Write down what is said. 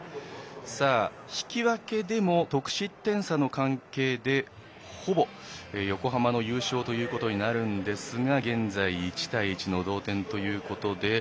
引き分けでも得失点差の関係でほぼ横浜の優勝となるんですが現在１対１の同点ということで。